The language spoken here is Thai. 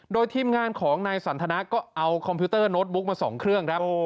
โดยทีมงานของนายสันทนาก็เอาคอมพิวเตอร์โน้ตบุ๊กมา๒เครื่องครับ